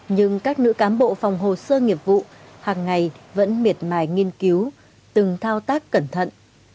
nhưng các nữ cán bộ phòng hồ sơ nghiệp vụ hàng ngày vẫn miệt mài nghiên cứu từng thao tác cẩn thận